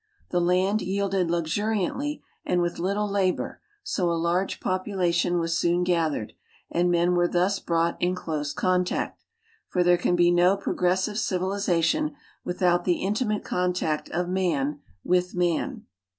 The land yielded luxuriantly and with little labor, so a large population was soon gathered, and men were thus brought in close contact — for there can be no progressive civilization without the intimate contact of man with man.